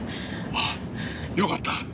ああよかった。